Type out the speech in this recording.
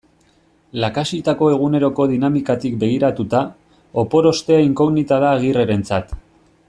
Lakaxitako eguneroko dinamikatik begiratuta, opor ostea inkognita da Agirrerentzat.